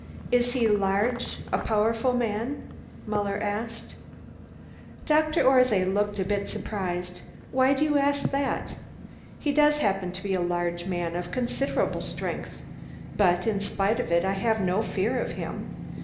"Is he a large, powerful man?" asked Muller. Dr. Orszay looked a bit surprised. "Why do you ask that? He does happen to be a large man of considerable strength, but in spite of it I have no fear of him.